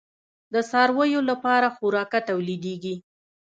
د څارویو لپاره خوراکه تولیدیږي؟